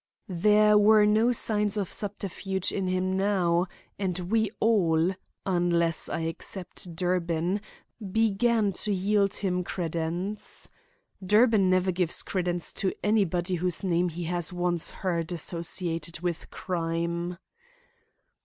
There were no signs of subterfuge in him now, and we all, unless I except Durbin, began to yield him credence. Durbin never gives credence to anybody whose name he has once heard associated with crime.